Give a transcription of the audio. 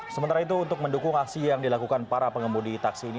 sementara itu untuk mendukung aksi yang dilakukan para pengemudi taksi ini